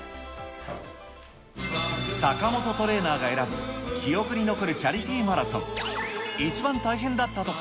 坂本トレーナーが選ぶ、記憶に残るチャリティーマラソン。